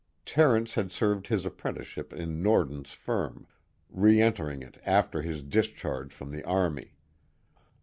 Terence had served his apprenticeship in Norden's firm, re entering it after his discharge from the Army.